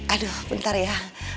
aduh bentar ya